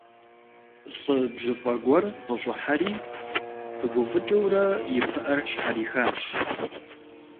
ЛӀы бжьыфӀэ гуэр къыщӀыхьэри, пыгуфӀыкӀыурэ и пыӀэр щхьэрихащ.